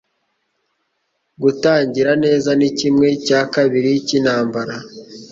Gutangira neza ni kimwe cya kabiri cyintambara.